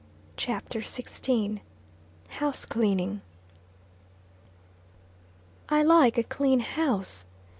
CHAPTER XVI. HOUSE CLEANING. I LIKE a clean house.